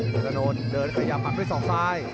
เดินเดินขยับมันเอ็ดสองซ้าย